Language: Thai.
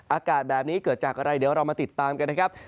อากาศแบบนี้เกิดจากอะไรเดี๋ยวเรามาติดตามกันนะครับ